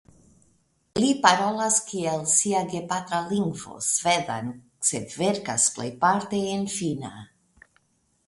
Li parolas kiel sia gepatra lingvo svedan sed verkas plejparte en finna.